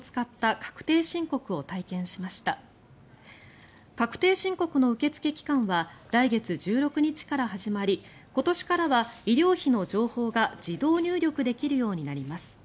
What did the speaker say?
確定申告の受け付け期間は来月１６日から始まり今年からは医療費の情報が自動入力できるようになります。